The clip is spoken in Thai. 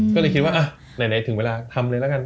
ก็เลยคิดว่าอ่ะไหนถึงเวลาทำเลยละกัน